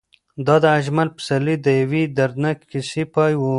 دا د اجمل پسرلي د یوې دردناکې کیسې پای و.